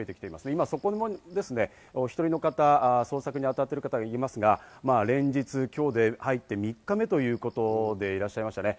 今そこにお一人の方、捜索に当たっている方がいますが、連日、今日で入って３日目ということでいらっしゃいましたね。